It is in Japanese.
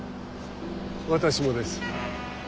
私もです。